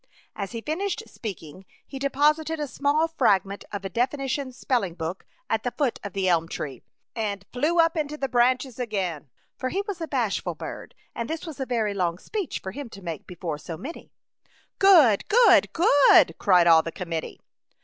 As he finished speaking, he depos ited a small fragment of a definition spelling book at the foot of the elm tree, and flew up into the branches again, for he was a bashful bird, and this was a very long speech for him to make before so many. 50 A Chautauqua Idyl. "Good, good, good," cried all the committee.